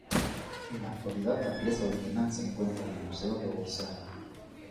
En la actualidad, la pieza original se encuentra en el Museo de Orsay.